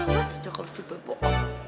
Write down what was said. awas aja kalo super bohong